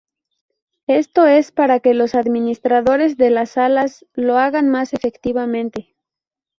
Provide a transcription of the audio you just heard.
Esto es para que los administradores de las salas lo hagan más efectivamente.